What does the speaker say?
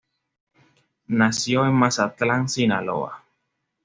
Nació en Mazatlán, Sinaloa.